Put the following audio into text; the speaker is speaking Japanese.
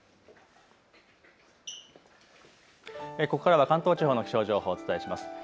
ここからは関東地方の気象情報をお伝えします。